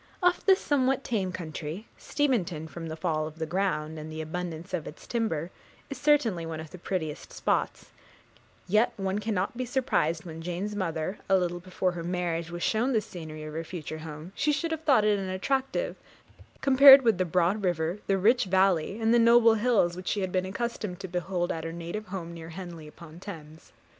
Of this somewhat tame country, Steventon, from the fall of the ground, and the abundance of its timber, is certainly one of the prettiest spots; yet one cannot be surprised that, when Jane's mother, a little before her marriage, was shown the scenery of her future home, she should have thought it unattractive, compared with the broad river, the rich valley, and the noble hills which she had been accustomed to behold at her native home near Henley upon Thames.